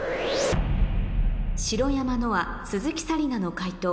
白山乃愛鈴木紗理奈の解答